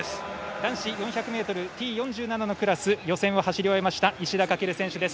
男子４００ｍＴ４７のクラス予選を走り終えました石田駆選手です。